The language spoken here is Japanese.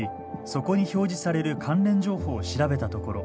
そこに表示される関連情報を調べたところ。